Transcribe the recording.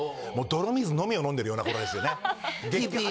泥水のみを飲んでるような頃ですよね。